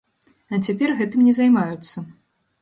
А цяпер гэтым не займаюцца.